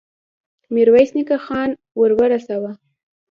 ميرويس نيکه ځان ور ورساوه.